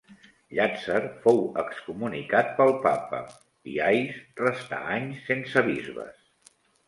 Llàtzer fou excomunicat pel papa i Ais restà anys sense bisbes.